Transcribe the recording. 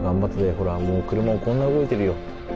ほらもう車もこんな動いてるよ。